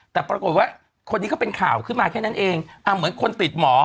แต่ปรากฏว่าคนนี้ก็เป็นข่าวขึ้นมาแค่นั้นเองเหมือนคนติดหมอ